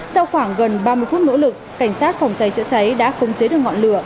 sau khoảng gần ba mươi phút nỗ lực cảnh sát phòng cháy chữa cháy đã khống chế được ngọn lửa